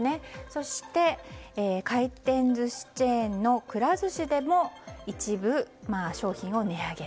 そして回転寿司チェーンのくら寿司でも一部商品を値上げ。